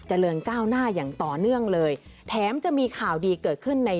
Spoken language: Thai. เดินก้าวหน้าอย่างต่อเนื่องเลยแถมจะมีข่าวดีเกิดขึ้นใน